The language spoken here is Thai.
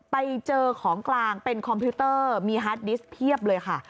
ไปเจอของกลางเป็นคอมพิวเตอร์มีฮาร์ดดิสต์เพียบเลยค่ะ